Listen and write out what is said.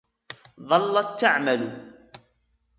ظلت تعمل.